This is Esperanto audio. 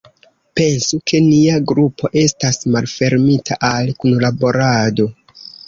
Pensu, ke nia grupo estas malfermita al kunlaborado.